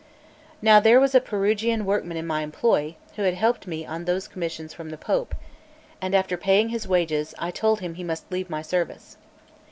Now there was a Perugian workman in my employ, who had helped me on those commissions from the Pope; and after paying his wages, I told him he must leave my service.